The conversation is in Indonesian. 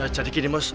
jadi gini bos